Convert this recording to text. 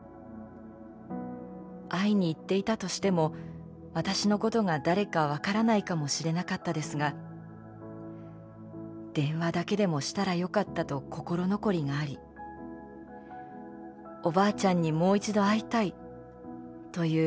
会いに行っていたとしても私の事が誰かわからないかもしれなかったですが電話だけでもしたら良かったと心残りがありおばあちゃんにもう一度会いたいという願い事にさせて頂きました」。